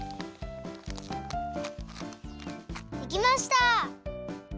できました！